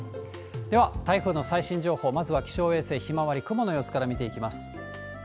では、台風の最新情報、まずは気象衛星ひまわり、雲の様子から見ていきます。